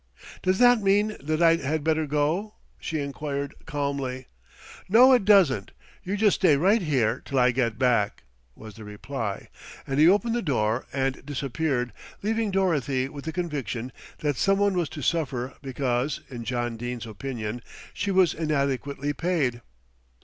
"Does that mean that I had better go?" she inquired calmly. "No, it doesn't. You just stay right here till I get back," was the reply, and he opened the door and disappeared, leaving Dorothy with the conviction that someone was to suffer because, in John Dene's opinion, she was inadequately paid.